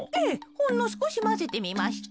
ほんのすこしまぜてみました。